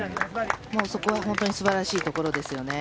そこは本当に素晴らしいところですよね。